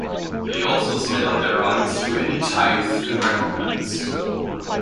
They also set out their rights to any tithe in recompense.